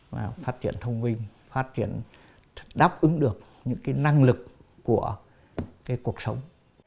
và phát triển thông minh phát triển đáp ứng được những cái năng lực của cái cuộc sống